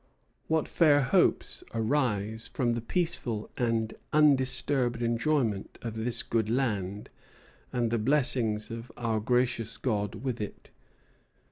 What fair hopes arise from the peaceful and undisturbed enjoyment of this good land, and the blessing of our gracious God with it!